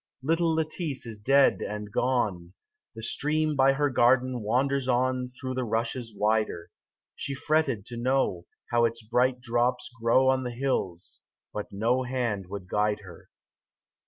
Little Lettice is dead and gone ! The stream by her garden wanders on i Through the rushes wider; She fretted to know How its bright drops grow On the hills, but no hand would guide her.